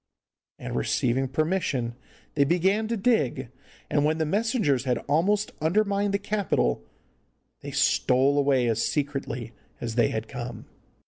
And receiving permission they began to dig, and when the messengers had almost undermined the Capitol they stole away as secretly as they had come.